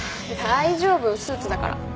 大丈夫スーツだから。